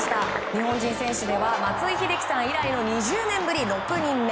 日本人選手では松井秀喜さん以来２０年ぶり６人目。